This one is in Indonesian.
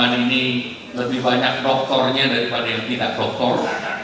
di ruang ini lebih banyak doktornya daripada yang tidak doktor